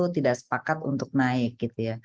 yaitu tidak sepakat untuk naik